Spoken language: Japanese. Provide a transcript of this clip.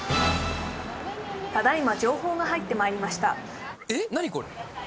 ただいま情報が入ってまいりました何？